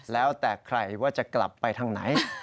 แล้วแต่ใครว่าจะกลับไปทางไหน